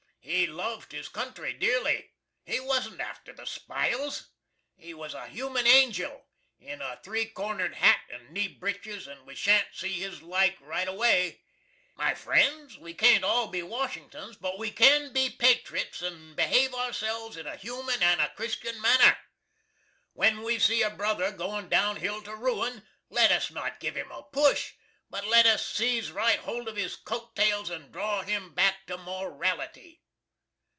He luved his country dearly. He wasn't after the spiles. He was a human angil in a 3 kornerd hat and knee britches, and we shan't see his like right away. My frends, we can't all be Washingtons but we kin all be patrits & behave ourselves in a human and a Christian manner. When we see a brother goin down hill to Ruin let us not give him a push, but let us seeze rite hold of his coat tails and draw him back to Morality.